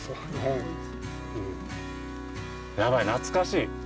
やばい懐かしい！